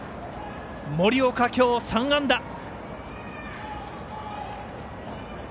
森岡、今日３安打。